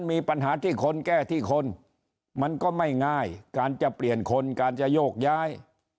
มีปัญหาที่คนแก้ที่คนมันก็ไม่ง่ายการจะเปลี่ยนคนการจะโยกย้าย